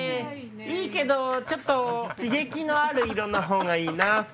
いいけどちょっと刺激のある色のほうがいいな。